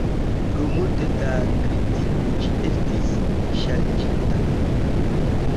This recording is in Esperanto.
Pro multe da kritiko ĝi estis ŝanĝita.